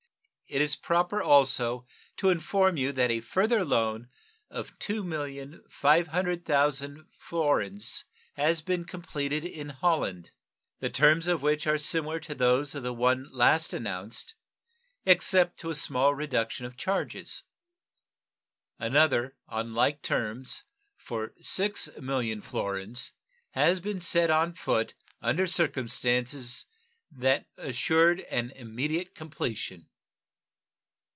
It is proper also to inform you that a further loan of 2,500,000 florins has been completed in Holland, the terms of which are similar to those of the one last announced, except as to a small reduction of charges. Another, on like terms, for 6,000,000 florins, had been set on foot under circumstances that assured an immediate completion.